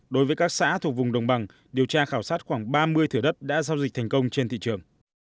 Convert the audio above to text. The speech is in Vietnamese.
đối với các xã thuộc vùng đồng bằng điều tra khảo sát khoảng ba mươi thửa đất đã giao dịch thành công trên thị trường